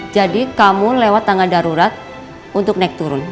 jadi kamu lewat tangga darurat untuk naik turun